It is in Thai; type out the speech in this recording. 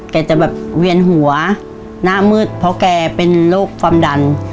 แกจะแบบเวียนหัวหน้ามืดเพราะแกเป็นโรคความดัน